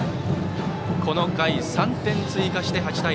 この回、３点追加して８対０。